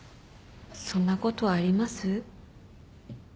そんなことあります？